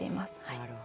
なるほど。